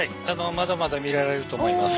まだまだ見られると思います。